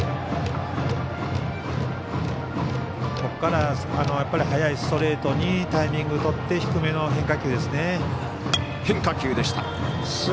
ここから速いストレートにタイミングとって低めの変化球ですね。